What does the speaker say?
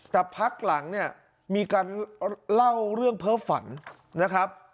แต่พักหลังเนี่ยมีการเล่าเรื่องเพ้อฝันนะครับ